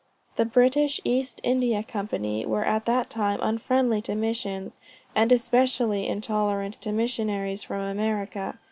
The British East India Company were at that time unfriendly to missions, and especially intolerant to missionaries from America.